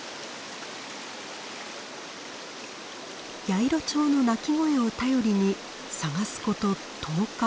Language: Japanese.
ヤイロチョウの鳴き声を頼りに探すこと１０日。